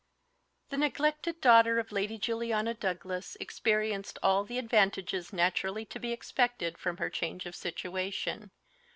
THE neglected daughter of Lady Juliana Douglas experienced all the advantages naturally to be expected from her change of situation.